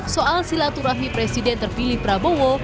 soal silaturahmi presiden terpilih prabowo